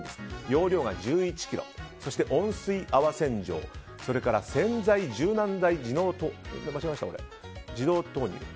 容量が１１ｋｇそして温水泡洗浄洗剤・柔軟剤自動投入。